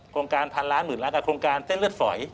โครงการพันล้านหมื่นล้านกับโครงการเส้นเลือดฝอย